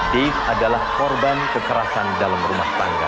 dave adalah korban kekerasan dalam rumah tangga